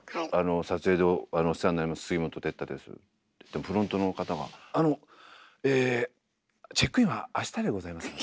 「撮影でお世話になります杉本哲太です」って言ってもフロントの方が「あのえチェックインはあしたでございます」。